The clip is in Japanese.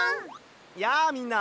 やあみんな！